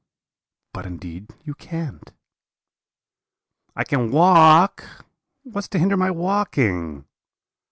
"'But indeed you can't.' "'I can walk. What's to hinder my walking?'